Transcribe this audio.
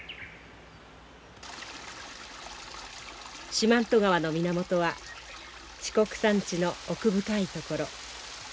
四万十川の源は四国山地の奥深い所。